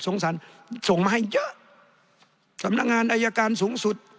สารส่งมาให้เยอะสำนักงานอายการสูงสุด